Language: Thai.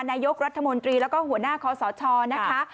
นายกรัฐมนตรีแล้วก็หัวหน้าคอสชนะคะ